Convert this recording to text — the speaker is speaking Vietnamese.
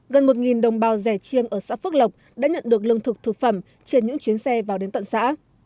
gần một đồng bào rẻ chiêng ở xã phước lộc đã nhận được lương thực thực phẩm trên những chuyến xe vào đến tận xã